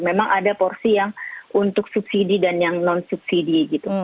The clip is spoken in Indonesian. memang ada porsi yang untuk subsidi dan yang non subsidi gitu